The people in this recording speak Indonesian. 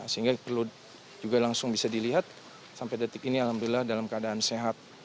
sehingga perlu juga langsung bisa dilihat sampai detik ini alhamdulillah dalam keadaan sehat